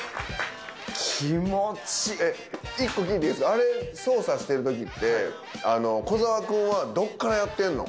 あれ操作してるときって小澤君はどっからやってんの？